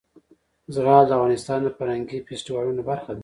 زغال د افغانستان د فرهنګي فستیوالونو برخه ده.